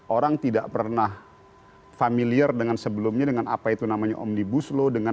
orang tidak pernah familiar dengan sebelumnya dengan apa itu namanya omnibus law